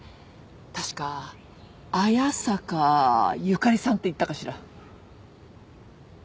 確か綾坂縁さんっていったかしら。